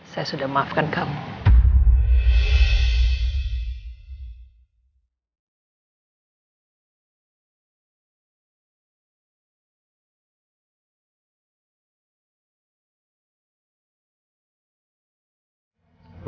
saya sudah memaafkan kamu